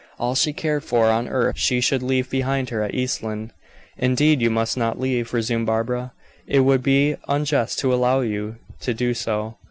All she cared for on earth she should leave behind her at East Lynne. "Indeed you must not leave," resumed Barbara. "It would be unjust to allow you to do so.